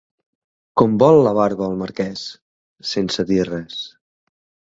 Com vol la barba el marquès? —Sense dir res.